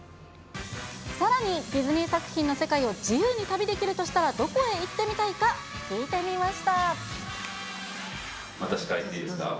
さらに、ディズニー作品の世界を自由に旅できるとしたら、どこへ行ってみ私からいいですか？